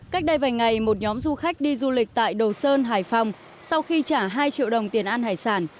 cách đây vài ngày một nhóm du khách đi du lịch tại đồ sơn hải phòng sau khi trả hai triệu đồng tiền ăn hải sản